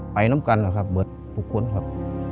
ไปน้ำกันเหมือนทุกคนครับ